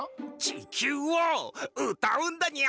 「ちきゅう」をうたうんだニャ。